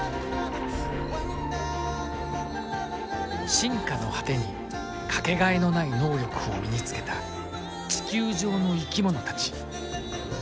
進化の果てに掛けがえのない能力を身につけた地球上の生き物たち